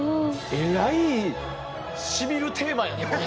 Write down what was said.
えらいしみるテーマやねこれ。